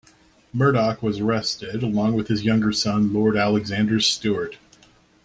Murdoch was arrested, along with his younger son Lord Alexander Stewart.